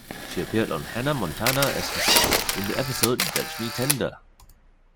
She appeared on "Hannah Montana" as herself in the episode "Judge Me Tender".